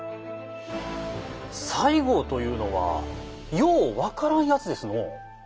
西郷というのはよう分からんやつですのう。